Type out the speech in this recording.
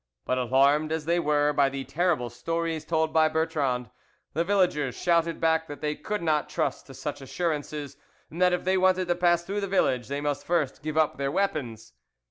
But alarmed as they were by the terrible stories told by Bertrand, the villagers shouted back that they could not trust to such assurances, and that if they wanted to pass through the village they must first give up their weapons.